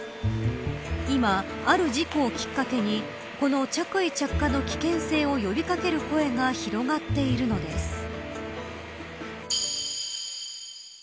今、ある事故をきっかけにこの着衣着火の危険性を呼び掛ける声が広がっているのです。